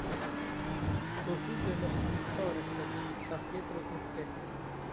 Suo figlio è lo scrittore e saggista Pietro Turchetti.